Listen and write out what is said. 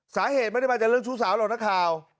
สาเหตุไม่ได้มาจากเรื่องชู้สาวหรอกนักข่าว